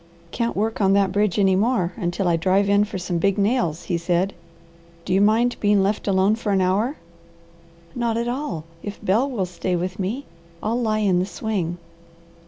"Can't work on that bridge any more until I drive in for some big nails," he said. "Do you mind being left alone for an hour?" "Not at all, if Bel will stay with me. I'll lie in the swing."